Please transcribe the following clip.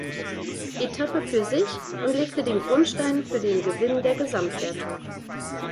Etappe für sich und legte den Grundstein für den Gewinn der Gesamtwertung.